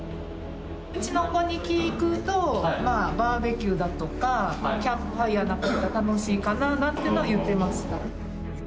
うちの子に聞くとまあバーベキューだとかキャンプファイヤーなんかやったら楽しいかななんていうのは言ってました。